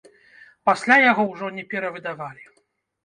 Пасля яго ўжо не перавыдавалі.